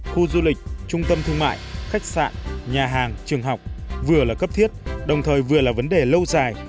khu du lịch trung tâm thương mại khách sạn nhà hàng trường học vừa là cấp thiết đồng thời vừa là vấn đề lâu dài